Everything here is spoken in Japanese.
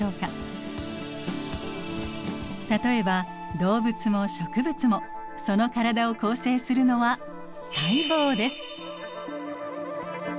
例えば動物も植物もその体を構成するのは細胞です。